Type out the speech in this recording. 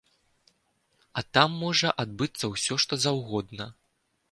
А там можа адбыцца ўсё, што заўгодна.